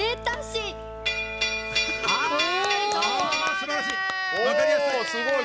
すばらしい。